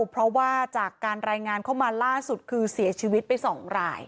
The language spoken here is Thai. เพราะว่าจากการรายงานเข้ามาล่าสุดคือเสียชีวิตไป๒ราย